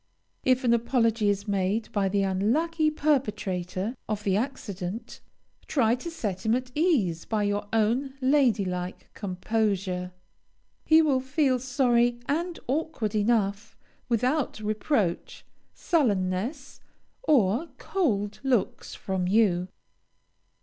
If an apology is made by the unlucky perpetrator of the accident, try to set him at his ease by your own lady like composure. He will feel sorry and awkward enough, without reproach, sullenness, or cold looks from you.